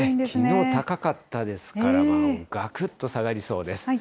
きのう、高かったですから、がくっと下がりそうです。